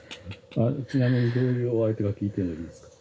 ちなみにどういうお相手か聞いてもいいですか？